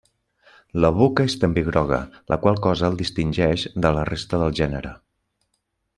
La boca és també groga, la qual cosa el distingeix de la resta del gènere.